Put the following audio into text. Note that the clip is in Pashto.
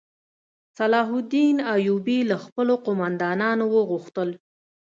صلاح الدین ایوبي له خپلو قوماندانانو وغوښتل.